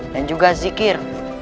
dan juga zikir